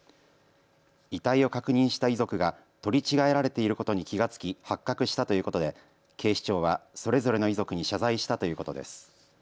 遺体を確認した遺族が取り違えられていることに気が付き発覚したということで警視庁はそれぞれの遺族に謝罪したということです。